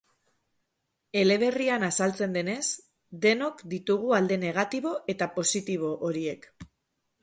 Eleberrian azaltzen denez, denok ditugu alde negatibo eta positibo horiek.